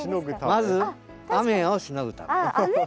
まず雨をしのぐため。